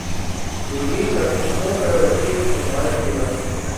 جدید تکنیکوں کا وسیع استعمال کِیا